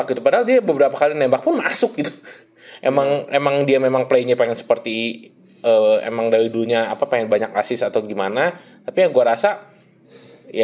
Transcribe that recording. gue setuju juga penyataan dia